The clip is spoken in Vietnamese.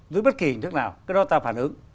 dưới bất kỳ hình thức nào cái đó ta phản ứng